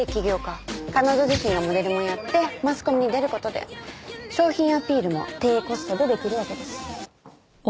彼女自身がモデルもやってマスコミに出る事で商品アピールも低コストで出来るわけです。